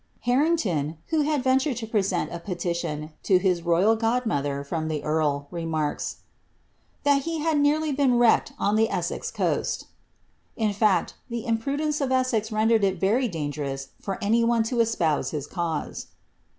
Harrington, who had ventured lo present a pelition to his royal god mother from the earl, remarks, " that he had nearly been wrecked on the Es^ex coast." In fact, tlie imprudence of Essex rendered it verydaa^r ous for any one lo espouse his cause.